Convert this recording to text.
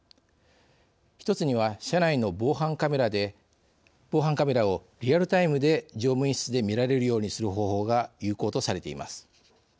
一つには車内の防犯カメラをリアルタイムで乗務員室で見られるようにする方法が有効とされています。